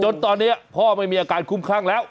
จนตอนนี้พ่อไม่มีอาการคุ้มครั่งแล้ว